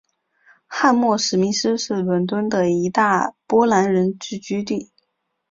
汉默史密斯是伦敦的一大波兰人聚居地。